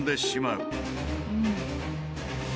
うん。